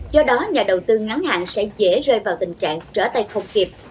do đó nhà đầu tư ngắn hạn sẽ dễ rơi vào tình trạng trở tay không kịp